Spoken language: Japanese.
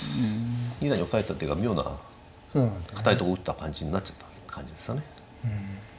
二段にオサえた手が妙な堅いとこ打った感じになっちゃった感じですよね。